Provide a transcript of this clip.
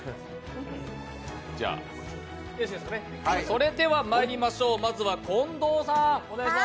それではまいりましょうまずは近藤さん。